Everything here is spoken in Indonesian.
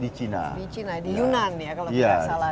di china di yunan ya kalau tidak salah